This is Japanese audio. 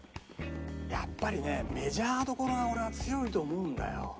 やっぱりねメジャーどころが俺は強いと思うんだよ。